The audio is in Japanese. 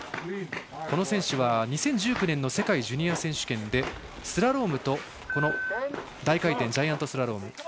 この選手は２０１９年の世界ジュニア選手権でスラロームと大回転ジャイアントスラローム